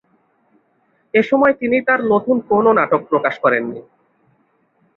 এ সময়ে তিনি তার নতুন কোন নাটক প্রকাশ করেননি।